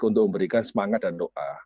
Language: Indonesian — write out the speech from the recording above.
untuk memberikan semangat dan doa